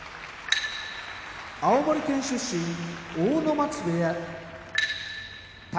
青森県出身阿武松部屋宝